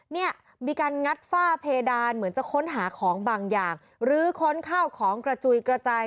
เนี่ยมีการงัดฝ้าเพดานเหมือนจะค้นหาของบางอย่างลื้อค้นข้าวของกระจุยกระจาย